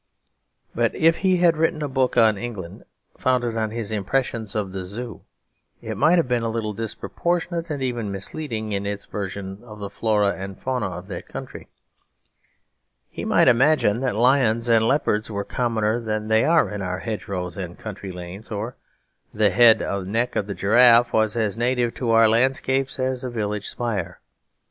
But if he had written a book on England, founded on his impressions of the Zoo, it might have been a little disproportionate and even misleading in its version of the flora and fauna of that country. He might imagine that lions and leopards were commoner than they are in our hedgerows and country lanes, or that the head and neck of a giraffe was as native to our landscapes as a village spire.